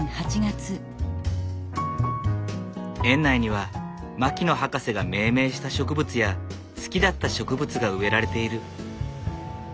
園内には牧野博士が命名した植物や好きだった植物が植えられている。